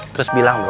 terus bilang bro